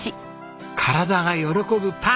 体が喜ぶパン。